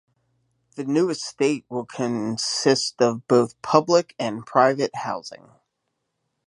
The new estate will consist of both public and private housing.